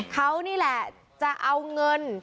เขานี่แหละจะเอาเงิน